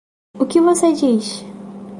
O que você diz?